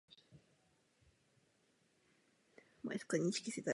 Vítěz této skupiny následně postoupil do mezikontinentální baráže.